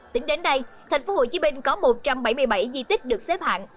tính đến đây tp hcm có một trăm bảy mươi bảy di tích được xếp hạng